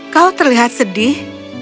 kau terlihat sedih